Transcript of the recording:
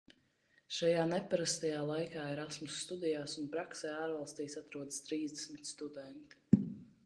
Šajā neparastajā laikā Erasmus studijās un praksē ārvalstīs atrodas trīsdesmit studenti.